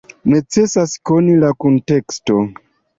Necesas koni la kunteksto.